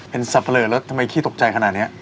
เป็นสับปะเลอแล้วทำไมขี้ตกใจขนาดนี้